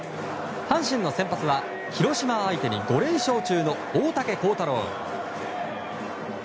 阪神の先発は、広島相手に５連勝中の大竹耕太郎。